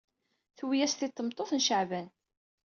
Tewwi-as-t-id tmeṭṭut n Caɛvan.